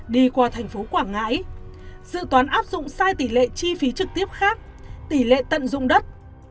đi qua thành phố quảng ngãi dự toán áp dụng sai tỷ lệ chi phí trực tiếp khác tỷ lệ tận dụng đất